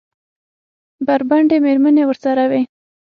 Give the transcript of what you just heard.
بربنډې مېرمنې ورسره وې.